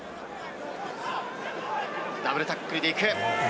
ダブルタックルでいく。